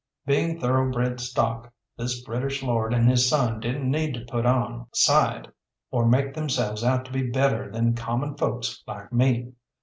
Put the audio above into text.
Being thoroughbred stock, this British lord and his son didn't need to put on side, or make themselves out to be better than common folks like me.